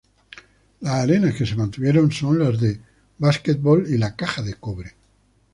Las arenas que se mantuvieron son las de básquetbol y la Caja de Cobre.